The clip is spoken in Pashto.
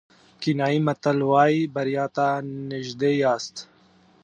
کینیايي متل وایي بریا ته نژدې یاست.